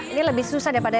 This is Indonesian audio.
ini lebih susah daripada